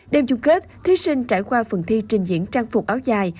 đêm chung kết thí sinh trải qua phần thi trình diễn trang phục áo dài